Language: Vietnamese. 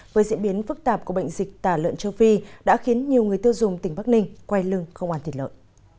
với diễn biến phức tạp của bệnh dịch tả lợn châu phi đã khiến nhiều người tiêu dùng tỉnh bắc ninh quay lưng không ăn thịt lợn